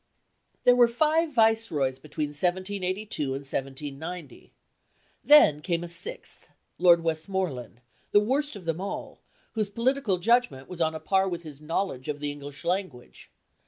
There were five Viceroys between 1782 and 1790. Then came a sixth, Lord Westmoreland, the worst of them all, whose political judgment was on a par with his knowledge of the English language.